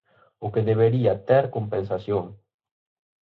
O que debería ter compensación.